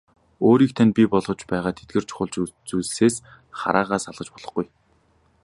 Өөрийг тань бий болгож байгаа тэдгээр чухал зүйлсээс хараагаа салгаж болохгүй.